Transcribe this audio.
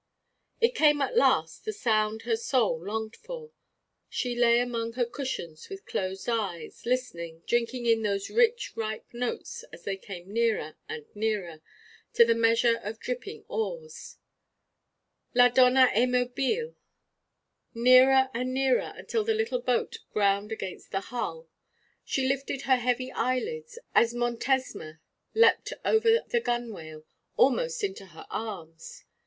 It came at last, the sound her soul longed for. She lay among her cushions with closed eyes, listening, drinking in those rich ripe notes as they came nearer and nearer, to the measure of dipping oars, 'La donna e mobile ' Nearer and nearer, until the little boat ground against the hull. She lifted her heavy eyelids as Montesma leapt over the gunwale, almost into her arms.